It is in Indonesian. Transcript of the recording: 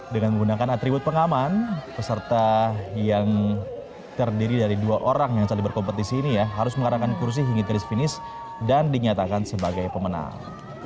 dengan menggunakan atribut pengaman peserta yang terdiri dari dua orang yang saling berkompetisi ini ya harus mengarangkan kursi hingga garis finish dan dinyatakan sebagai pemenang